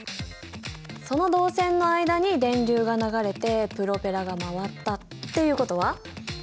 その導線の間に電流が流れてプロペラが回ったっていうことは？